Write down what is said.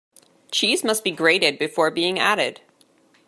Cheese must be grated before being added.